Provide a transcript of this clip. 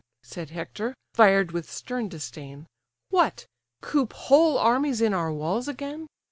(said Hector, fired with stern disdain) What! coop whole armies in our walls again?